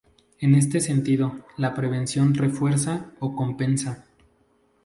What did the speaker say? En este sentido, la prevención refuerza o compensa.